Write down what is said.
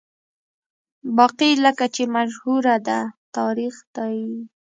باقي لکه چې مشهوره ده، تاریخ دی.